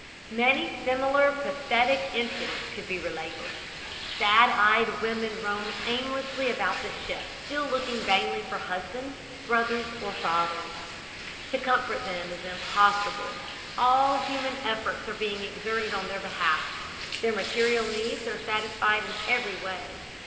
"Many similar pathetic incidents could be related. Sad eyed women roam aimlessly about the ship still looking vainly for husband, brother or father. To comfort them is impossible. All human efforts are being exerted on their behalf. Their material needs are satisfied in every way.